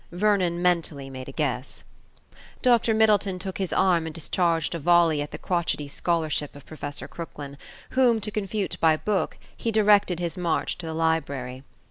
Vernon mentally made a guess. Dr Middleton took his arm and discharged a volley at the crotchetty scholarship of Professor Crooklyn, whom to confute by book, he directed his march to the library.